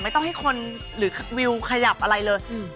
ไม่ต้องให้คนหรือวิวขยับอะไรเลย